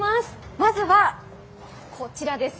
まずは、こちらです。